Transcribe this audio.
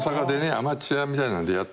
アマチュアみたいなのやってるころ